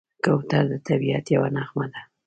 کوتره د طبیعت یوه نغمه ده.